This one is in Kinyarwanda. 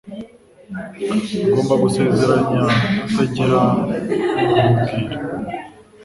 Ugomba gusezeranya kutagira uwo ubwira.